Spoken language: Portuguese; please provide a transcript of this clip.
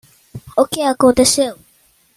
O que aconteceu?